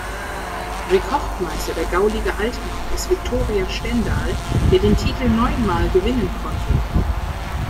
Rekordmeister der Gauliga Altmark ist Viktoria Stendal, der den Titel neun Mal gewinnen konnten.